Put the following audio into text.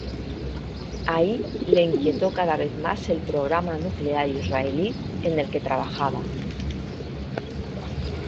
Ahí le inquietó cada vez más el programa nuclear israelí en el que trabajaba.